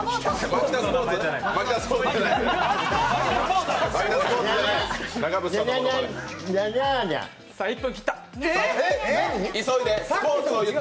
マキタスポーツじゃない。